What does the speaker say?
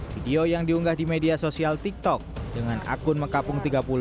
video yang diunggah di media sosial tiktok dengan akun mekapung tiga puluh